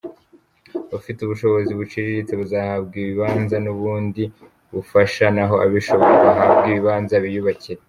Abafite ubushobozi buciriritse bazahabwa ibibanza n’ubundi bufasha naho abishoboye bahabwe ibibanza biyubakire”.